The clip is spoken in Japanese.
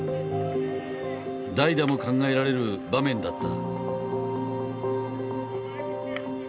代打も考えられる場面だった。